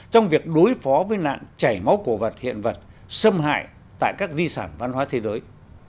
trong việc đối phó với nạn chảy máu cổ vật hiện vật xâm hại tại các di sản văn hóa thế giới